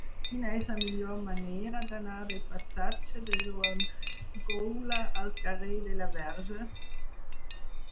Quina és la millor manera d'anar del passatge de Joan Goula al carrer de la Verge?